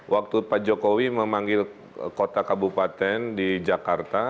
waktu pak jokowi memanggil kota kabupaten di jakarta